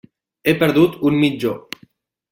He perdut un mitjó.